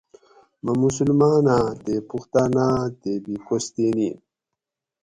مہ مسلماناۤں تے پُختاناۤ تے بھی کوستینی